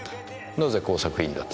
なぜ工作員だと？